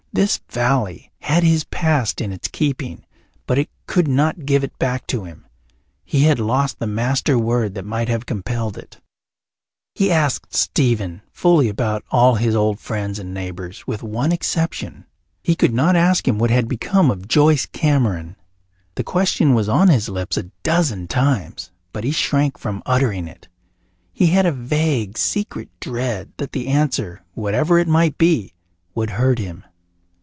This valley had his past in its keeping, but it could not give it back to him; he had lost the master word that might have compelled it. He asked Stephen fully about all his old friends and neighbours with one exception. He could not ask him what had become of Joyce Cameron. The question was on his lips a dozen times, but he shrank from uttering it. He had a vague, secret dread that the answer, whatever it might be, would hurt him.